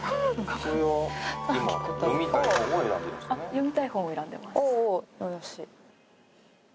「読みたい本を選んでます」